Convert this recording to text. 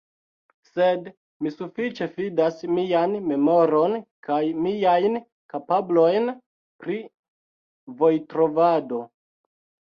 Sed mi sufiĉe fidas mian memoron kaj miajn kapablojn pri vojtrovado.